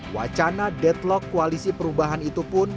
wacana deadlock koalisi perubahan itu pun